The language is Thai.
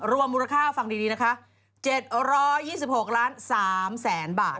มูลค่าฟังดีนะคะ๗๒๖ล้าน๓แสนบาท